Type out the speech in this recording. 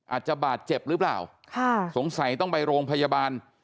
อาจจะบาดเจ็บหรือเปล่าค่ะสงสัยต้องไปโรงพยาบาล